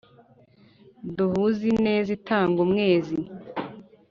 Duhuza ineza itanga umwezi